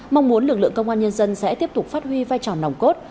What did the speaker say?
mong muốn lực lượng công an nhân dân sẽ tiếp tục phát huy vai trò nòng cốt